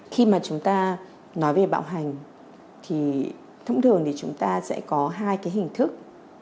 khi mà chúng ta nói về bạo hành thì thông thường chúng ta sẽ có hai hình thức